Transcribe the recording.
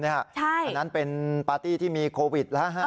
อันนั้นเป็นปาร์ตี้ที่มีโควิดแล้ว